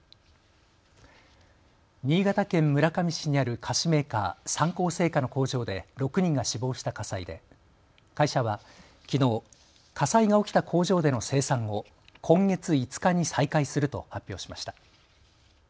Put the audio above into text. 新潟県村上市にある菓子メーカー、三幸製菓の工場で６人が死亡した火災で会社はきのう火災が起きた工場での生産を今月５日に再開すると発表しました。